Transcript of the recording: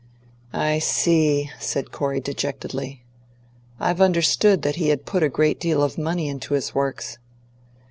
"I see," said Corey dejectedly. "I've understood that he had put a great deal of money into his Works."